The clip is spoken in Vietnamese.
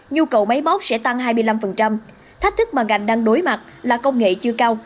nhu cầu máy bóc sẽ tăng hai mươi năm thách thức mà ngành đang đối mặt là công nghệ chưa cao